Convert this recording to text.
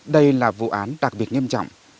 đây là vụ án đặc biệt nghiêm trọng